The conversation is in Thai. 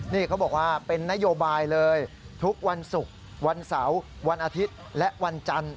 นี่เขาบอกว่าเป็นนโยบายเลยทุกวันศุกร์วันเสาร์วันอาทิตย์และวันจันทร์